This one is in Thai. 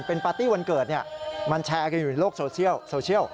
เป็นปาร์ตี้วันเกิดมันแชร์กันอยู่ในโลกโซเชียลโซเชียล